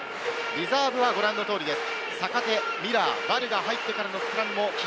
リザーブはご覧の通りです。